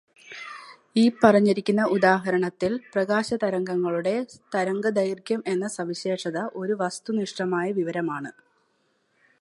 ഈ പറഞ്ഞിരിക്കുന്ന ഉദാഹരണത്തിൽ, പ്രകാശതരംഗംങ്ങളുടെ തരംഗദൈർഗ്ഘ്യം എന്ന സവിശേഷത ഒരു വസ്തുനിഷ്ഠമായ വിവരമാണ്.